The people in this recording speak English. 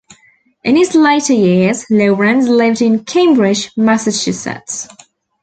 In his later years, Lorenz lived in Cambridge, Massachusetts.